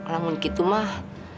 namun gitu mah